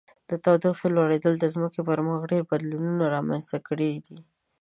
د تودوخې لوړیدل د ځمکې پر مخ ډیر بدلونونه رامنځته کړي دي.